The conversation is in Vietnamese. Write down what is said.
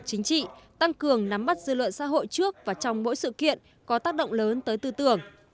chính trị tăng cường nắm bắt dư luận xã hội trước và trong mỗi sự kiện có tác động lớn tới tư tưởng